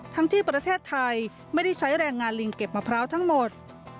ที่ประเทศไทยไม่ได้ใช้แรงงานลิงเก็บมะพร้าวทั้งหมด